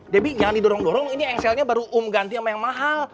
debbie jangan didorong dorong ini engselnya baru um ganti sama yang mahal